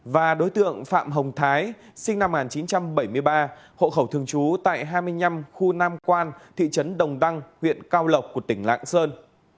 và đối tượng phạm hồng thái sinh năm một nghìn chín trăm bảy mươi ba hộ khẩu thường trú tại hai mươi năm khu nam quan thị trấn đồng đăng huyện cao lộc của tỉnh lạng sơn